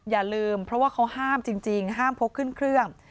อย่าลืมเพราะว่าเขาห้ามจริงห้ามพกขึ้นเครื่อง